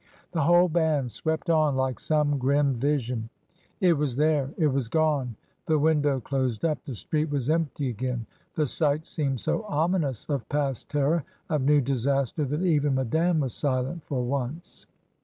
The whole band swept on like some grim vision; it was there, 224 '^^S. DYMOND. it was gone, the window closed up, the street was empty again. The sight seemed so ominous of past terror, of new disaster, that even Madame was silent for once.